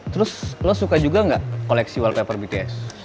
terus lo suka juga gak koleksi wallpaper bts